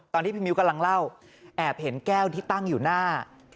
พี่มิ้วกำลังเล่าแอบเห็นแก้วที่ตั้งอยู่หน้า